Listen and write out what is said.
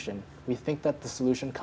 kita berpikir bahwa solusi itu